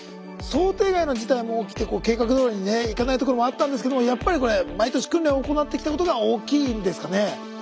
想定外の事態も起きて計画どおりにねいかないところもあったんですけどもやっぱりこれ毎年訓練を行ってきたことが大きいんですかね？